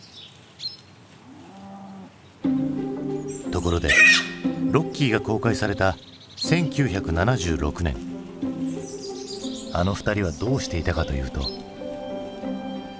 ところで「ロッキー」が公開された１９７６年あの２人はどうしていたかというと。